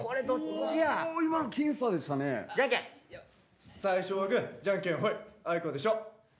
最初はグーじゃんけんホイあいこでしょ。